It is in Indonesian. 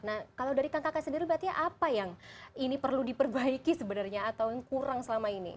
nah kalau dari kang kakak sendiri berarti apa yang ini perlu diperbaiki sebenarnya atau yang kurang selama ini